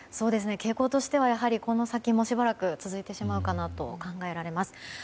傾向としてはやはり、この先もしばらく続いてしまうかなと考えられます。